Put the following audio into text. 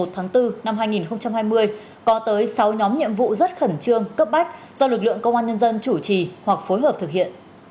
tháng bốn năm hai nghìn hai mươi có tới sáu nhóm nhiệm vụ rất khẩn trương cấp bách do lực lượng công an nhân dân chủ trì hoặc phối hợp thực hiện